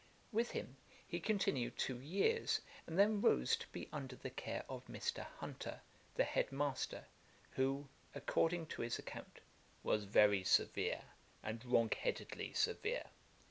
With him he continued two years, and then rose to be under the care of Mr. Hunter, the head master, who, according to his account, 'was very severe, and wrong headedly severe.